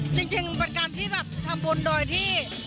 จริงเป็นการที่แบบทำบุญโดยที่